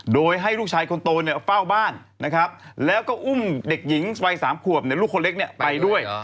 โดยให้ลูกชายคนโตเนี่ยเฝ้าบ้านนะครับแล้วก็อุ้มเด็กหญิงวัย๓ขวบลูกคนเล็กไปด้วย